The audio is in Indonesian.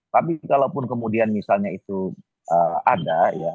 tapi kalau pun kemudian misalnya itu ada